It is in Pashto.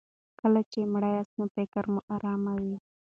کله چې مړه یاست نو فکر مو ارام وي.